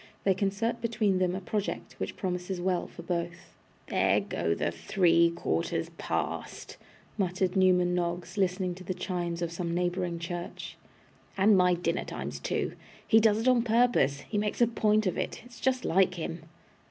They concert between them a Project, which promises well for both 'There go the three quarters past!' muttered Newman Noggs, listening to the chimes of some neighbouring church 'and my dinner time's two. He does it on purpose. He makes a point of it. It's just like him.